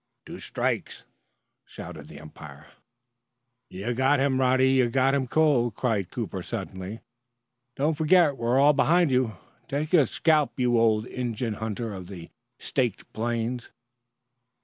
"Two strikes!" shouted the umpire. "You've got him, Roddy you've got him cold!" cried Cooper suddenly. "Don't forget we're all behind you. Take his scalp, you old Injun hunter of the Staked Plains."